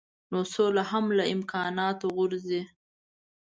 نو سوله هم له امکاناتو غورځي.